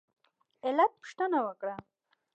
علت پوښتنه وکړه.